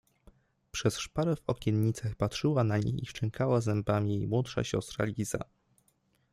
Przez szparę w okiennicach patrzyła na nich i szczękała zębami jej młodsza siostra Liza.